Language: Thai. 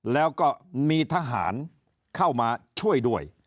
แล้วก็มีทหารเข้ามาช่วยด้วย